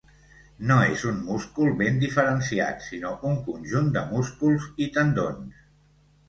No és un múscul ben diferenciat, sinó un conjunt de músculs i tendons.